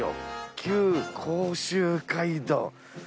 「旧甲州街道」。